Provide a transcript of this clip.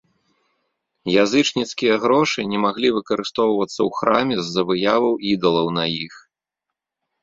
Язычніцкія грошы не маглі выкарыстоўвацца ў храме з-за выяваў ідалаў на іх.